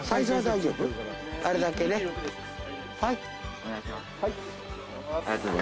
お願いします。